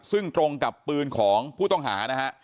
ซึ่งตรงกับปืนของผู้ต้องหานะฮะ